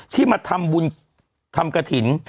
ที่มาทำบุญทำกระถิ่น